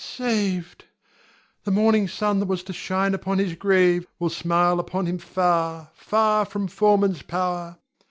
saved! The morning sun that was to shine upon his grave, will smile upon him far, far from foemen's power.